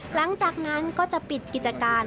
หลังจากนั้นก็จะปิดกิจการ